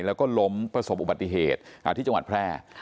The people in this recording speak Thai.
แล้วก็ล้มประสบอุบัติเหตุที่จังหวัดแพร่